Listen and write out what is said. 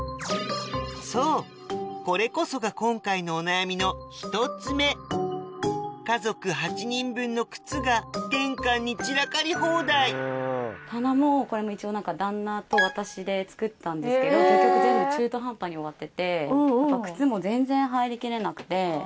そうこれこそが今回の家族８人分の靴が玄関に散らかり放題棚も一応旦那と私で作ったんですけど結局全部中途半端に終わってて靴も全然入りきれなくて。